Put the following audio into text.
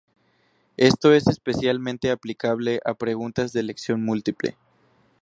Esto es especialmente aplicable a preguntas de elección múltiple.